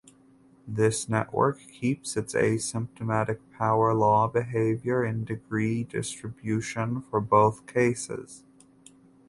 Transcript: The network keeps its asymptotic power law behavior in degree distribution for both cases.